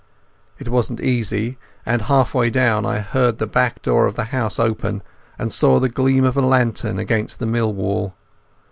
It wasn't easy, and half way down I heard the back door of the house open, and saw the gleam of a lantern against the mill wall.